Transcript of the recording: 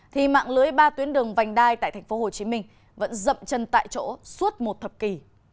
thì mạng lưới ba tuyến đường vành đai tại tp hcm vẫn dậm chân tại chỗ suốt một thập kỷ